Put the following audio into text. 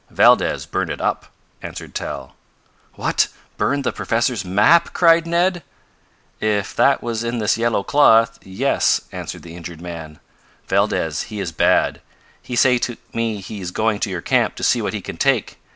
"Valdez burn it up," answered Tal. "What, burned the professor's map?" cried Ned. "If that was in this yellow cloth yes," answered the injured man. "Valdez he is bad. He say to me he is going to your camp to see what he can take.